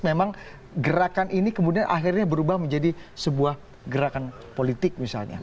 memang gerakan ini kemudian akhirnya berubah menjadi sebuah gerakan politik misalnya